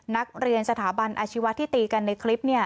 นักเรียนสถาบันอาชีวะที่ตีกันในคลิป